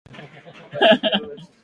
changanya unga wa ngano sukari na hamira